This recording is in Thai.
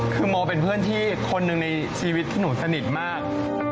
คือโมเป็นเพื่อนที่คนหนึ่งในชีวิตที่หนูสนิทมาก